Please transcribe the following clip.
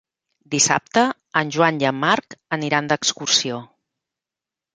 Dissabte en Joan i en Marc aniran d'excursió.